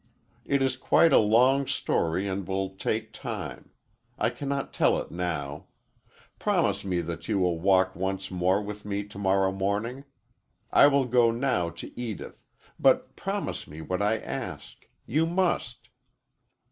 It is quite a long story and will take time. I cannot tell it now. Promise me that you will walk once more with me to morrow morning. I will go now to Edith; but promise me what I ask. You must."